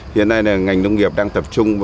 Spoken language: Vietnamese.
hiện nay ngành nông nghiệp đang tập trung